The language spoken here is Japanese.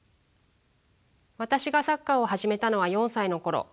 私がサッカーを始めたのは４歳の頃。